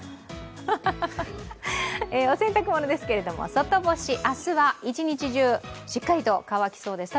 お洗濯ものですけど、外干し明日は一日中しっかりと乾きそうです。